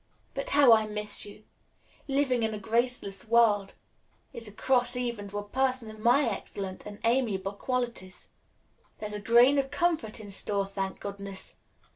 But how I miss you! Living in a 'Graceless' world is a cross even to a person of my excellent and amiable qualities. "There's a grain of comfort in store, thank goodness.